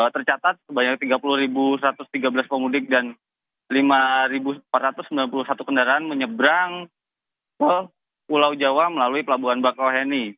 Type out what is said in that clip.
tercatat sebanyak tiga puluh satu ratus tiga belas pemudik dan lima empat ratus sembilan puluh satu kendaraan menyebrang ke pulau jawa melalui pelabuhan bakauheni